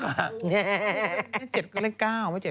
ไม่๗ก็เลข๙ไม่๗ก็๙